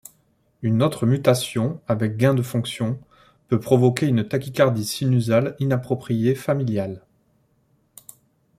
Une autre mutation, avec gain de fonction, peut provoquer une tachycardie sinusale inappropriée familiale.